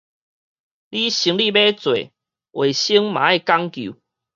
你生理欲做，衛生嘛愛講究